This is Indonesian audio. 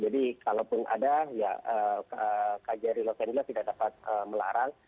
jadi kalaupun ada ya kjr los angeles tidak dapat melarang